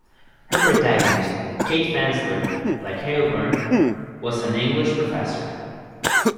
Her protagonist Kate Fansler, like Heilbrun, was an English professor.